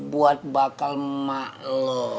buat bakal emak lo